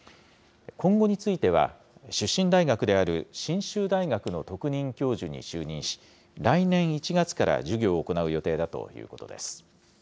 今後については、出身大学である信州大学の特任教授に就任し、来年１月から授業を行う予定だということです。